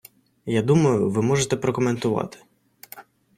Я думаю, ви можете прокоментувати.